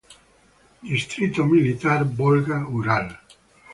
Distrito militar Volga-Ural.